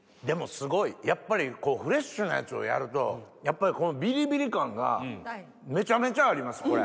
でもすごいやっぱりフレッシュなやつをやるとやっぱりビリビリ感がめちゃめちゃあります